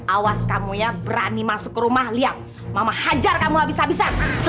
awas kamu ya berani masuk ke rumah lihat mama hajar kamu habis habisan